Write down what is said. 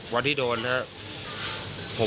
วันที่โดนนะครับ